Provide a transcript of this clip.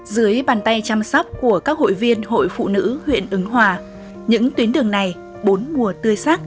dưới bàn tay chăm sóc của các hội viên hội phụ nữ huyện ứng hòa những tuyến đường này bốn mùa tươi sắc